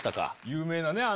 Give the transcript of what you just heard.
有名なね